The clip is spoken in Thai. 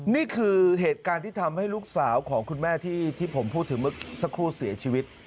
นี่คือเหตุการณ์ที่ทำให้ลูกสาวของคุณแม่ที่ผมพูดถึงเมื่อสักครู่เสียชีวิต